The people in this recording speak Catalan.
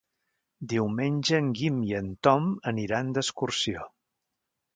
Diumenge en Guim i en Tom aniran d'excursió.